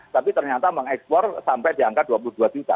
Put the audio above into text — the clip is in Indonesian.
tapi ternyata mengekspor sampai di angka dua puluh dua juta